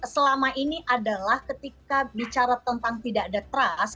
selama ini adalah ketika bicara tentang tidak ada trust